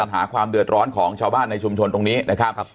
หาความเดือดร้อนของชาวบ้านในชุมชนตรงนี้นะครับ